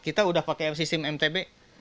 kita udah pakai sistem mtb